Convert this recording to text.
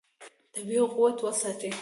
طبیعي قوت وساتئ.